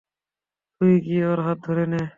তুই গিয়ে ওর হাত ধরে নে।